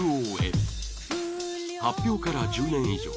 発表から１０年以上。